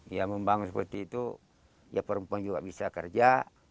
ya membangun seperti itu ya perempuan juga bisa kerja